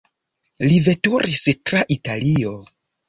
Li veturis tra Italio.